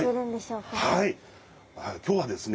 今日はですね